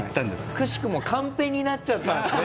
くしくもカンペになっちゃったんですね